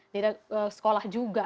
tidak sekolah juga